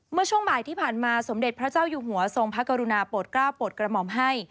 เมื่อช่วงบ่ายที่ผ่านมาสมเด็จพระเจ้าอยู่หัวทรงพระกรุณาโปรดกล้าวโปรดกระหม่อมให้